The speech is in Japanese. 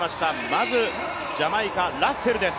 まずジャマイカ、ラッセルです。